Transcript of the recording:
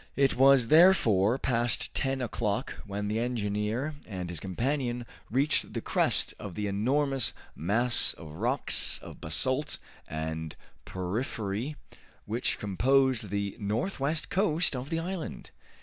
It was therefore past ten o'clock when the engineer and his companion reached the crest of the enormous mass of rocks of basalt and porphyry which composed the northwest coast of the island.